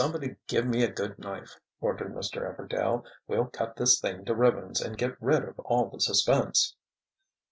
"Somebody give me a good knife," ordered Mr. Everdail. "We'll cut this thing to ribbons and get rid of all the suspense!"